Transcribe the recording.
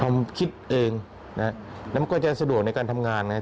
ผมคิดเองนะแล้วมันก็จะสะดวกในการทำงานไง